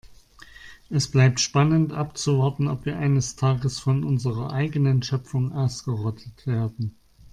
Es bleibt spannend abzuwarten, ob wir eines Tages von unserer eigenen Schöpfung ausgerottet werden.